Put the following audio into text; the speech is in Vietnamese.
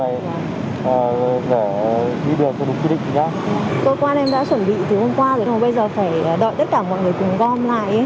bây giờ phải đợi tất cả mọi người cùng gom lại